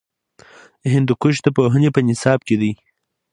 هندوکش د پوهنې په نصاب کې دی.